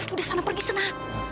udah sana pergi sana